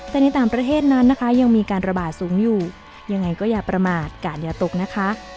แต่ในต่างประเทศนั้นนะคะยังมีการระบาดสูงอยู่ยังไงก็อย่าประมาทกาศอย่าตกนะคะ